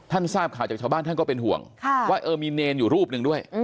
ทราบข่าวจากชาวบ้านท่านก็เป็นห่วงว่าเออมีเนรอยู่รูปหนึ่งด้วย